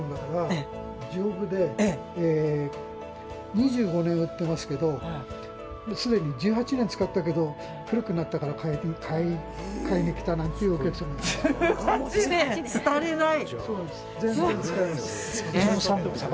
２５年売ってますけどすでに１８年使ったけど古くなったから替えに来たっていうお客さんもいます。